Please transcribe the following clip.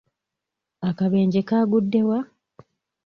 Akabenje kaagudde wa?